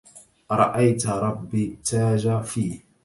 أرأيت رب التاج في